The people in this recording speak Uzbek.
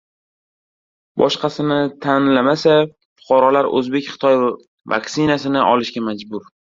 "Boshqasini tanlamasa, fuqarolar o‘zbek-xitoy vaktsinasini olishga majbur"